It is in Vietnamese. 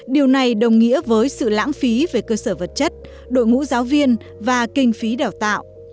điều này đồng nghĩa với sự lãng phí về cơ sở vật chất đội ngũ giáo viên và kinh phí đào tạo